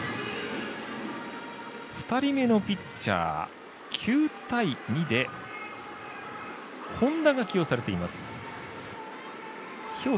２人目のピッチャー、９対２で本多が起用されています。